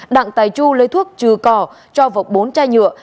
đặng tài chu lấy thuốc trừ cỏ cho vực bốn chai nhựa